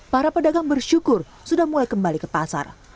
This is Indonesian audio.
para pedagang bersyukur sudah mulai kembali kepasaran